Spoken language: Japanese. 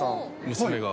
娘が。